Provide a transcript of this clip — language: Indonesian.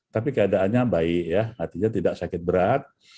tapi keadaannya baik ya artinya tidak sakit berat